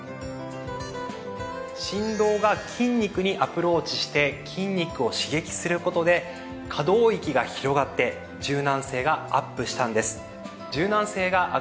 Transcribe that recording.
振動が筋肉にアプローチして筋肉を刺激する事で可動域が広がって柔軟性がアップしたんです。